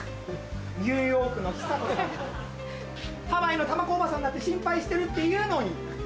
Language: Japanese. ニューヨークの久子さんもハワイの珠子おばさんだって心配してるっていうのに！